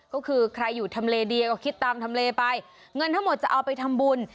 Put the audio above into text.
ก็คือใครอยู่ทำเลเดียก็คิดตามทำเลไปเงินทั้งหมดจะเอาไปทำบุญ